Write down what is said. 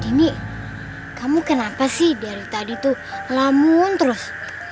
ini kamu kenapa sih dari tadi tuh lamun terus